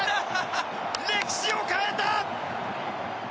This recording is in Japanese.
歴史を変えた！